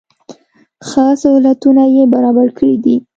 ښه سهولتونه یې برابر کړي دي.